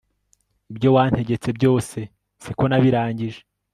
ibyo wantegetse, byose siko nabirangije